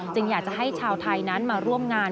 อยากจะให้ชาวไทยนั้นมาร่วมงาน